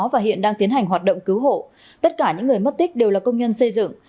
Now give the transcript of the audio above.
và hiện đang tiến hành hoạt động cứu hộ tất cả những người mất tích đều là công nhân xây dựng